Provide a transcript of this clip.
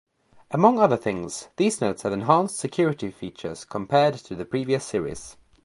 Among other things, these notes have enhanced security features compared to the previous series.